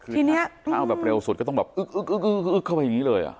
คือถ้าเท่าเร็วสุดก็ต้องอึ๊กเข้าไปอย่างนี้เลย